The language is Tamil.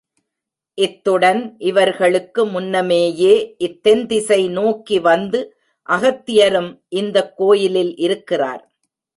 இத்துடன் இவர்களுக்கு முன்னமேயே இத் தென்திசை நோக்கிவந்து அகத்தியரும் இந்தக் கோயிலில் இருக்கிறார்.